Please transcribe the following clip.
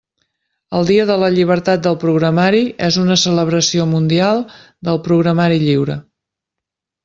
El Dia de la Llibertat del Programari és una celebració mundial del programari lliure.